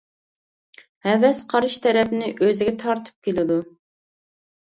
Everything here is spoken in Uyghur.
ھەۋەس قارشى تەرەپنى ئۆزىگە تارتىپ كېلىدۇ.